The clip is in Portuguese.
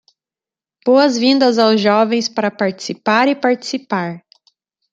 Boas vindas aos jovens para participar e participar